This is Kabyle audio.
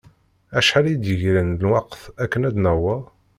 Acḥal i d-yegran n lweqt akken ad naweḍ?